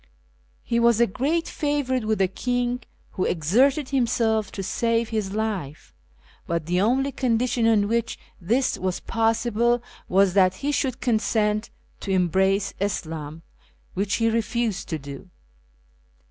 He was a great favourite with the king, wlio exerted liiinself to save his life, hut the only condition on which this was possihle was that he shouUl consent to embrace Ishim, which he refused to do.